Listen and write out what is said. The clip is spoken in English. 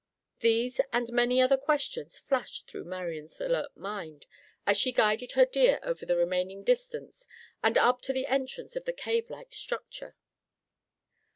These, and many other questions, flashed through Marian's alert mind as she guided her deer over the remaining distance and up to the entrance to the cave like structure.